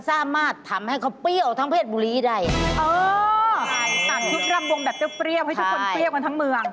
สั่งธุดรำวงแบบเบี้ยวให้ทุกคนเปรียบกันทั้งเมือง